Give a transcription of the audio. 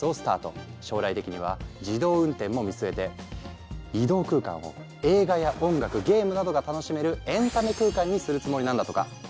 将来的には自動運転も見据えて移動空間を映画や音楽ゲームなどが楽しめるエンタメ空間にするつもりなんだとか。